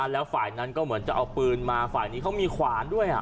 แล้วฝ่ายนั้นก็เหมือนจะเอาปืนมาฝ่ายนี้เขามีขวานด้วย